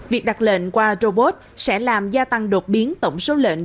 việc đặt lệnh qua robot sẽ làm gia tăng đột biến tổng số lệnh